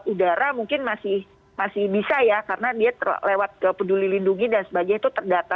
udara mungkin masih bisa ya karena dia lewat ke peduli lindungi dan sebagainya itu terdata